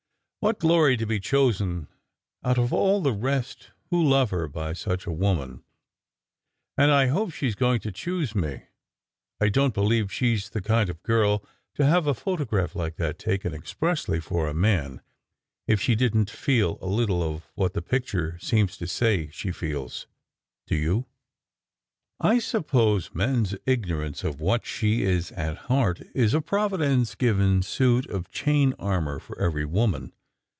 What glory to be chosen out of all the rest who love her by such a woman ! And I hope she is going to choose me. I don t believe she s the kind of girl to have a photograph like that taken expressly for a man, if she didn t feel a little of what the picture seems to say she feels, do you? " I suppose men s ignorance of what she is at heart is a Providence given suit of chain armour for every woman.